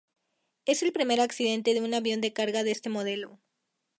Es el primer accidente de un avión de carga de este modelo.